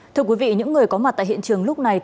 thưa quý vị những người có mặt tại hiện trường lúc này